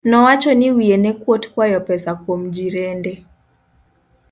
Nowacho ni wiye ne kuot kwayo pesa kuom jirende